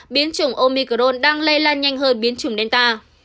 biến trùng omicron đang lây lan nhanh hơn biến trùng delta